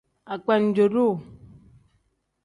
Agbanjo-duu.